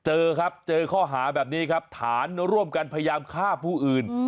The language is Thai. เจอครับเจอข้อหาแบบนี้ครับฐานร่วมกันพยายามฆ่าผู้อื่น